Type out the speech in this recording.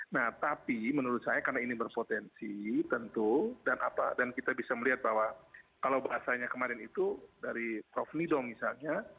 nah tapi menurut saya karena ini berpotensi tentu dan kita bisa melihat bahwa kalau bahasanya kemarin itu dari prof nidong misalnya